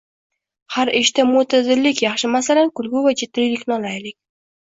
Har ishda mo‘’tadillik yaxshi. Masalan, kulgi va jiddiylikni olaylik.